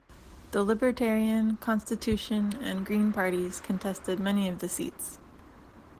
The Libertarian, Constitution, and Green parties contested many of the seats.